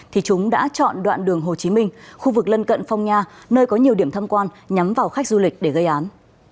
thì chúng đã chọn đoạn đường hồ chí minh khu vực lân cận phong nha nơi có nhiều điểm thăm quan nhắm vào khách du lịch để gây án